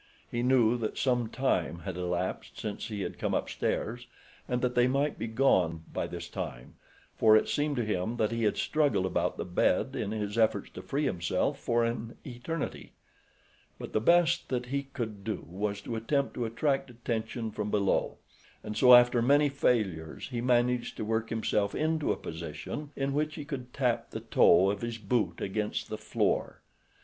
He knew that some time had elapsed since he had come up stairs and that they might be gone by this time, for it seemed to him that he had struggled about the bed, in his efforts to free himself, for an eternity. But the best that he could do was to attempt to attract attention from below, and so, after many failures, he managed to work himself into a position in which he could tap the toe of his boot against the floor.